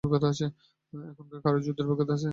এখানকার কারো যুদ্ধের অভিজ্ঞতা আছে?